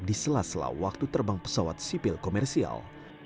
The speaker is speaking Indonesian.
di sela sela waktu terbang pesawat sipil komersial